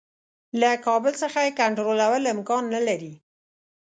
له کابل څخه یې کنټرولول امکان نه لري.